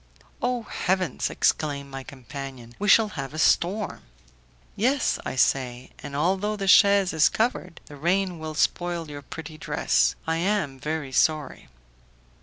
"Oh, heavens!" exclaimed my companion, "we shall have a storm." "Yes," I say, "and although the chaise is covered, the rain will spoil your pretty dress. I am very sorry."